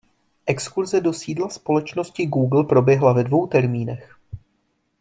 Exkurze do sídla společnosti Google proběhla ve dvou termínech.